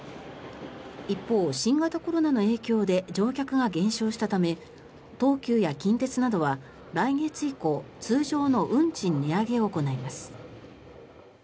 一方、新型コロナの影響で乗客が減少したため東急や近鉄などは来月以降通常の運賃値上げを行います。